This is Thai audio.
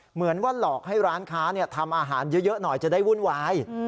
เหมือนว่าหลอกให้ร้านค้าทำอาหารเยอะหน่อยจะได้วุ่นวาย